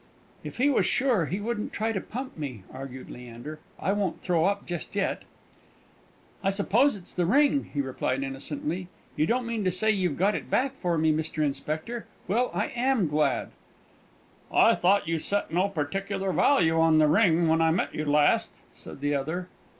("If he was sure, he wouldn't try to pump me," argued Leander. "I won't throw up just yet.") "I suppose it's the ring," he replied innocently. "You don't mean to say you've got it back for me, Mr. Inspector? Well, I am glad." "I thought you set no particular value on the ring when I met you last?" said the other.